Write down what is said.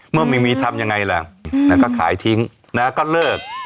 เมื่อมิมีทำยังไงละแล้วก็ขายทิ้งแล้วก็เลิก